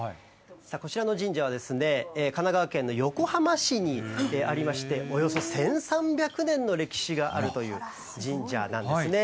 こちらの神社は、神奈川県の横浜市にありまして、およそ１３００年の歴史があるという神社なんですね。